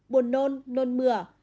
buồn nôn nôn mửa